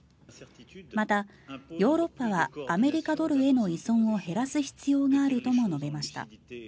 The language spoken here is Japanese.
また、ヨーロッパはアメリカドルへの依存を減らす必要があるとも述べました。